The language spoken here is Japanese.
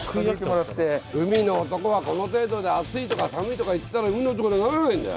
海の男はこの程度であついとか寒いとか言ってたら海の男にはなれないんだよ！